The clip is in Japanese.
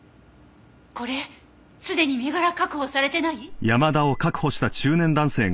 これすでに身柄確保されてない？